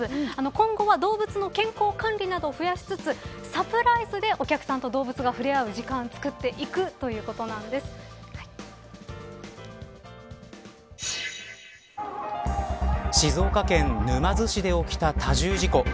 今後は、動物の健康管理などを増やしつつサプライズでお客さんと動物が触れ合える時間をつくっていく静岡県沼津市で起きた多重事故。